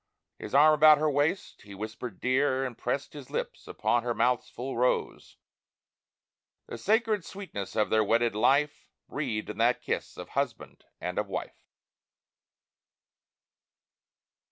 His arm about her waist, he whispered "Dear," And pressed his lips upon her mouth's full rose— The sacred sweetness of their wedded life Breathed in that kiss of husband and of wife.